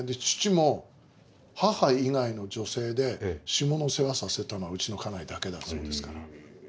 父も母以外の女性で下の世話させたのはうちの家内だけだそうですから。